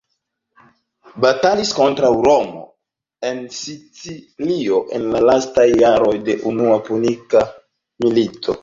Batalis kontraŭ Romo en Sicilio en la lastaj jaroj de Unua Punika Milito.